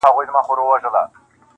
زه په دې ملنګه ورځ خسرو سمه قباد سمه -